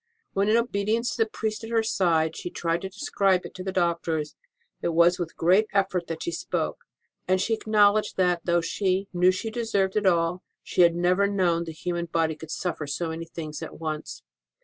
When, in obedience to the priest at her side, she tried to describe it to the doctors, it was with great effort that she spoke ; and she acknowledged that, though she knew she deserved it all, she had never known the human body could suffer so many things at once.